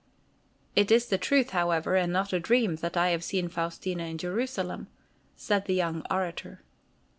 "It is the truth, however, and not a dream, that I have seen Faustina in Jerusalem," said the young orator.